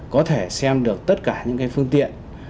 có thể xem được tất cả những phương tiện